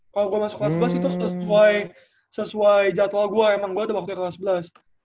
kalau gue masuk kelas kelas itu sesuai jadwal gue emang gue udah waktu kelas sebelas